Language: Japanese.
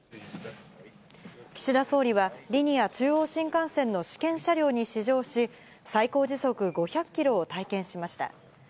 岸田総理は、リニア中央新幹線の試験車両に試乗し、最高時速５００キロを体験しました。